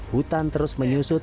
hutan terus menyusut